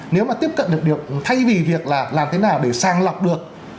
nếu mà tiếp cận được điều thay vì việc là làm thế nào để sàng lọc được